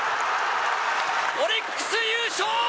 オリックス優勝！